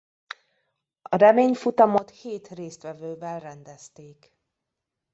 A reményfutamot hét résztvevővel rendezték.